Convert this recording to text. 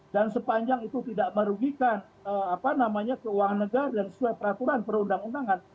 dan sepanjang itu tidak merugikan keuangan negara dan sesuai peraturan perundang undangan